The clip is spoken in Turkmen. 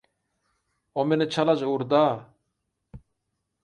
O meni çalaja urd-a.